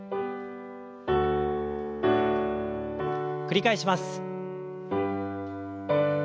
繰り返します。